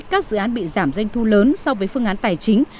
các dự án bị giảm doanh thu lớn so với phương án tài chính